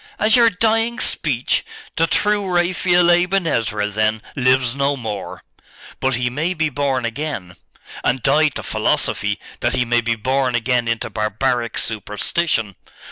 'As your dying speech? The true Raphael Aben Ezra, then, lives no more!' 'But he may be born again.' 'And die to philosophy, that he may be born again into barbaric superstition!